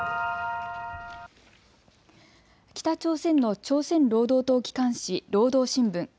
北朝鮮の朝鮮労働党機関紙、労働新聞。